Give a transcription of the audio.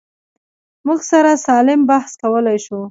موږ سره سالم بحث کولی شو.